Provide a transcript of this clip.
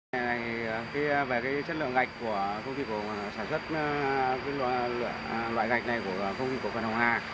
từ loại gạch này của phong viên của phần hồng hà